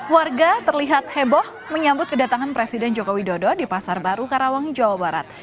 warga terlihat heboh menyambut kedatangan presiden joko widodo di pasar baru karawang jawa barat